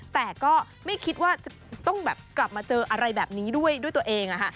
แต่ก็ไม่คิดว่าจะต้องแบบกลับมาเจออะไรแบบนี้ด้วยตัวเอง